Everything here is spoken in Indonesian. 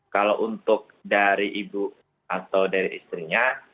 kalau untuk dari ibu atau dari istrinya